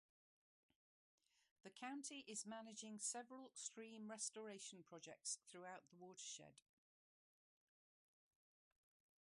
The county is managing several stream restoration projects throughout the watershed.